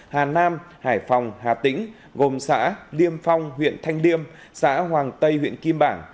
hà nam hải phòng hà tĩnh gồm xã liêm phong huyện thanh liêm xã hoàng tây huyện kim bảng